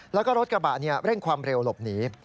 แล้วก็รถกระบะเร่งความเร็วหลบหนี